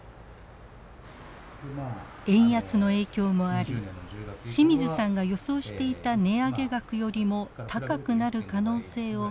円安の影響もあり清水さんが予想していた値上げ額よりも高くなる可能性を告げられました。